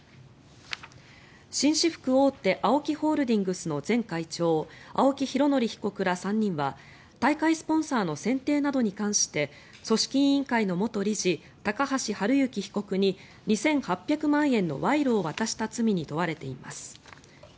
紳士服大手ＡＯＫＩホールディングスの前会長青木拡憲被告ら３人は大会スポンサーの選定などに関して組織委員会の元理事高橋治之被告に２８００万円の賄賂を渡した罪に問われています。